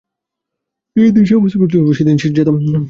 যে-দিন সে আবশ্যকতাটুকু চলে যাবে, সেদিন সে জাত বা ব্যক্তির নাশ হবে।